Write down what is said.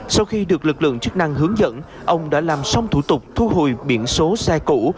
sau khi được lực lượng chức năng hướng dẫn ông đã làm xong thủ tục thu hồi biển số xe cũ